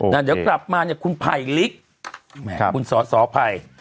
เดี๋ยวกลับมาเนี่ยคุณภัยลิกแหมคุณสอสอภัย